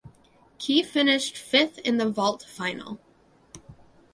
Qi finished fifth in the vault final.